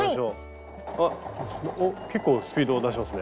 あっおっ結構スピード出しますね。